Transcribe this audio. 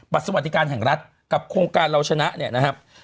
บัตรสินวัติการแห่งรัฐกับโครงการเราชนะเนี่ยนะฮะ